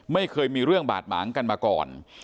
ไม่เคยมีเรื่องบาดหมางกันมาก่อน